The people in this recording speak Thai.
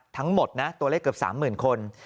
ทั้งหมดนะตัวเลขเกือบ๓๐๐๐คน